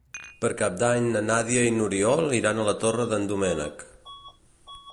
Per Cap d'Any na Nàdia i n'Oriol iran a la Torre d'en Doménec.